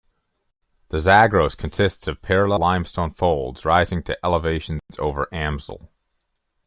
The Zagros consists of parallel limestone folds rising to elevations of over amsl.